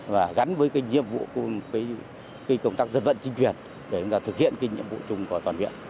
và gắn với nhiệm vụ công tác dân vận chính quyền để thực hiện nhiệm vụ chung của toàn viện